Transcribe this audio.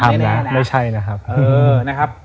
ทำแล้วไม่ใช่นะครับ